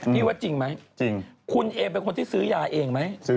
ที่ว่าจริงมั้ยคุณเองเป็นคนที่ซื้อยาเองมั้ย